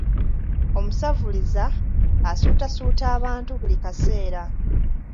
Omusavuliza asuutasuuta abantu buli kaseera.